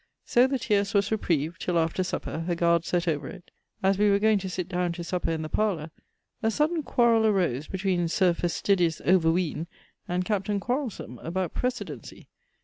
So the tierce was reprieved till after supper, a guard sett over it. As wee were going to sitt downe to supper in the parlour a sudden quarrell arose between Sir Fastidious Overween and Captain Quarelsome about precedency.